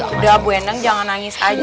udah bu endang jangan nangis aja